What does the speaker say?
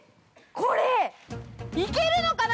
これ、行けるのかな？